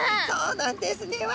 そうなんですね！